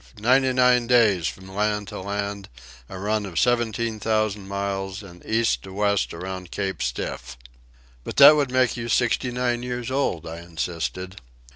ninety nine days from land to land, a run of seventeen thousand miles, an' east to west around Cape Stiff!" "But that would make you sixty nine years old," I insisted.